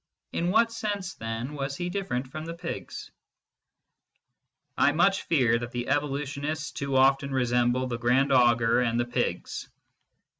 In what sense, then, was he different from the pigs ?" I much fear that the evolutionists too often resemble the Grand Augur and the pigs.